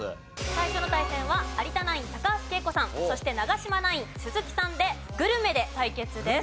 最初の対戦は有田ナイン高橋惠子さんそして長嶋ナイン鈴木さんでグルメで対決です。